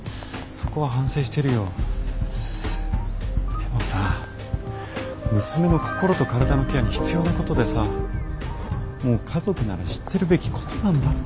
でもさ娘の心と体のケアに必要なことでさもう家族なら知ってるべきことなんだって！